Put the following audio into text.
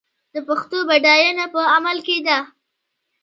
د پښتو بډاینه په عمل کې ده.